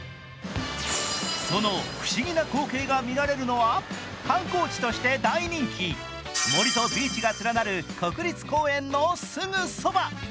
その不思議な光景が見られるのは観光地として大人気、森とビーチが連なる国立公園のすぐそば。